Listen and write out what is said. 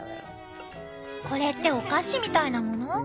これってお菓子みたいなもの？